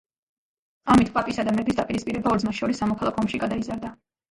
ამით პაპისა და მეფის დაპირისპირება ორ ძმას შორის სამოქალაქო ომში გადაიზარდა.